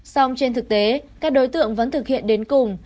xong trên thực tế các đối tượng vẫn thực hiện đến cùng